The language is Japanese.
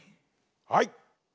はい！